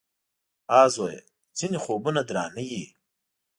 _اه ! زويه! ځينې خوبونه درانه وي.